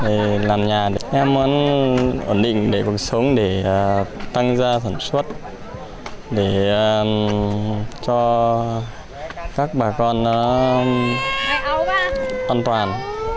em muốn ổn định cuộc sống để tăng gia sản xuất để cho các bà con an toàn